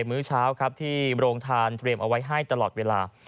มื้อเช้าครับที่โรงทานเตรียมเอาไว้ให้ตลอดเวลา